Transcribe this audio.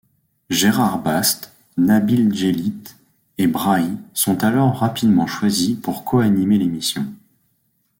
Gérard Baste, Nabil Djellit et Brahi sont alors rapidement choisis pour co-animer l'émission.